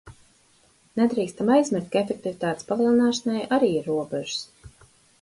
Nedrīkstam aizmirst, ka efektivitātes palielināšanai arī ir robežas.